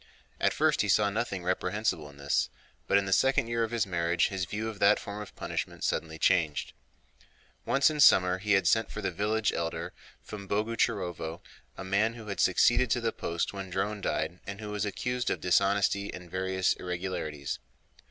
At first he saw nothing reprehensible in this, but in the second year of his marriage his view of that form of punishment suddenly changed. Once in summer he had sent for the village elder from Boguchárovo, a man who had succeeded to the post when Dron died and who was accused of dishonesty and various irregularities.